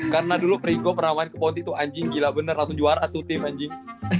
karena dulu ringo pernah main ke ponti tuh anjing gila bener langsung juara tuh tim anjing